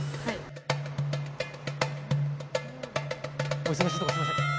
お忙しいところすみません。